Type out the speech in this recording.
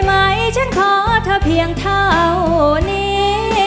ไหมฉันขอเธอเพียงเท่านี้